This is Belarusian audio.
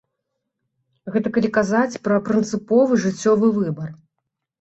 Гэта калі казаць пра прынцыповы жыццёвы выбар.